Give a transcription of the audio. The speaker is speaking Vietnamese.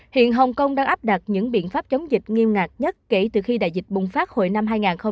hiện hồng kông đang áp đặt những biện pháp chống dịch nghiêm ngặt nhất kể từ khi đại dịch bùng phát hồi năm hai nghìn một mươi